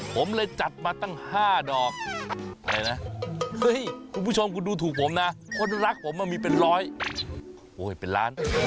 ผมเลยจัดมาตั้ง๕ดอกอะไรนะ